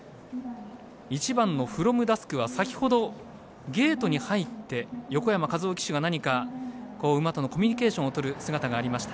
１番フロムダスクは先ほどゲートに入って横山和生騎手が何か、馬とのコミュニケーションをとる姿もありました。